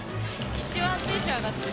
一番テンション上がってる。